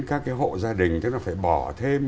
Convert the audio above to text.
các cái hộ gia đình tức là phải bỏ thêm